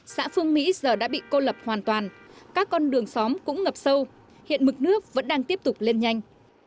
xã phương mỹ giờ đã bị cô lập hoàn toàn các con đường xóm cũng ngập sâu hiện mực nước vẫn đang tiếp tục lên nhanh